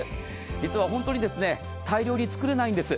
実は本当に大量に作れないんです。